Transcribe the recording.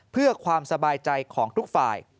เพื่อความสบายใจของทุกฝ่าย